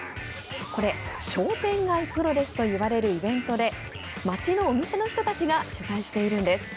商店街プロレスといわれるイベントで街のお店の人たちが主催しているんです。